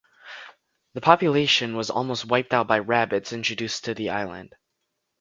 The population was almost wiped out by rabbits introduced to the island.